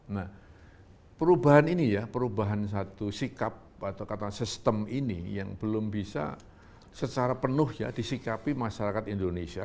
nah perubahan ini ya perubahan satu sikap atau kata sistem ini yang belum bisa secara penuh ya disikapi masyarakat indonesia